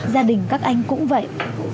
gia đình các anh cũng vậy